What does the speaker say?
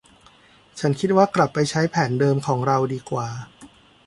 ฉันคิดว่ากลับไปใช้แผนเดิมของเราดีกว่า